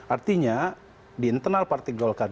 artinya di internal partai golkar